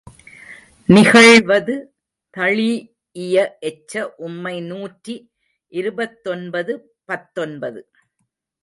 நிகழ்வது தழீஇய எச்ச உம்மை நூற்றி இருபத்தொன்பது பத்தொன்பது .